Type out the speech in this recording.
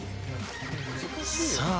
さあ